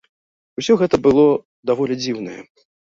Усё гэта было даволі дзіўнае.